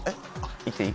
いっていい？